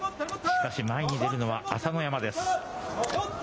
しかし、前に出るのは朝乃山です。